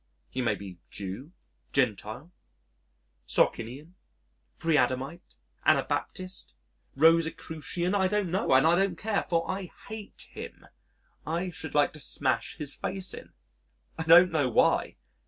He may be Jew, Gentile, Socinian, Pre adamite, Anabaptist, Rosicrucian I don't know, and I don't care, for I hate him. I should like to smash his face in. I don't know why....